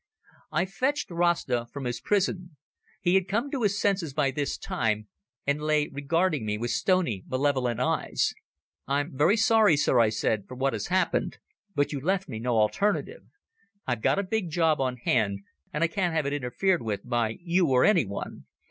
I fetched Rasta from his prison. He had come to his senses by this time, and lay regarding me with stony, malevolent eyes. "I'm very sorry, Sir," I said, "for what has happened. But you left me no alternative. I've got a big job on hand and I can't have it interfered with by you or anyone.